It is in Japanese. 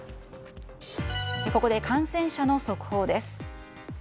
ここで感染者の速報です。